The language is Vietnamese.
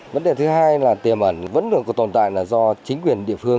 vấn đề thứ hai là tiềm ẩn vẫn còn tồn tại là do chính quyền địa phương